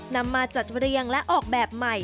นำมาจัดเรียงและออกแบบใหม่